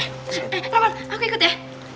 eh rahman aku ikut ya